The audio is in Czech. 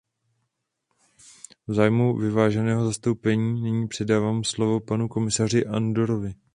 V zájmu vyváženého zastoupení nyní předávám slovo panu komisaři Andorovi.